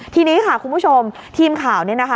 ทีนี้คุณผู้ชมทีมข่าว